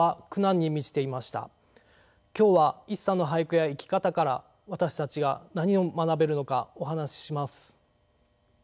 今日は一茶の俳句や生き方から私たちは何を学べるのかお話しします。